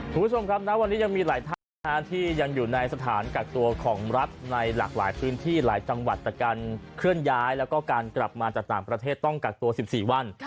คุณผู้ชมครับณวันนี้ยังมีหลายท่านนะฮะที่ยังอยู่ในสถานกักตัวของรัฐในหลากหลายพื้นที่หลายจังหวัดแต่การเคลื่อนย้ายแล้วก็การกลับมาจากต่างประเทศต้องกักตัว๑๔วัน